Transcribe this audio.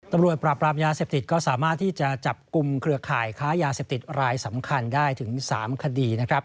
ตำรวจปราบรามยาเสพติดก็สามารถที่จะจับกลุ่มเครือข่ายค้ายาเสพติดรายสำคัญได้ถึง๓คดีนะครับ